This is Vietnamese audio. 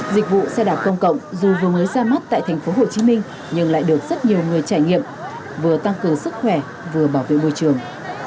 dịch vụ xe đạp công cộng dù vừa mới ra mắt tại tp hcm nhưng lại được rất nhiều người trải nghiệm vừa tăng cường sức khỏe vừa bảo vệ môi trường